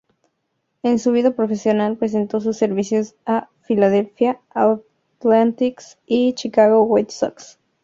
En su vida profesional prestó sus servicios a Philadelphia Athletics y Chicago White Sox.